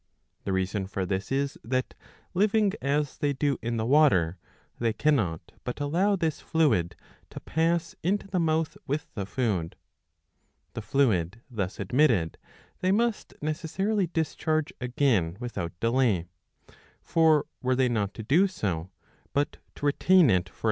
^ The reason for this is that, living as they do in the water, they cannot but allow this fluid to pass into the mouth with the food. The fluid, thus admitted, they must necessarily discharge again without delay. For were they not to do so, but to retain it for 662 a.